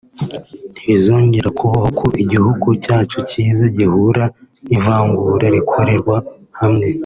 ntibizongera kubaho ko igihugu cyacu cyiza gihura n’ivangura rikorerwa bamwe